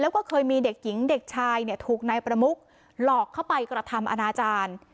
แล้วก็เคยมีเด็กหญิงเด็กชายเนี่ยถูกนายประมุกหลอกเข้าไปกระทำอนาจารย์